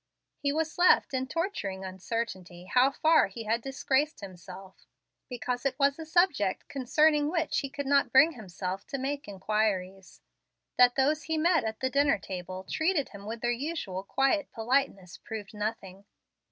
He was left in torturing uncertainty how far he had disgraced himself, because it was a subject concerning which he could not bring himself to make inquiries. That those he met at the dinner table treated him with their usual quiet politeness proved nothing.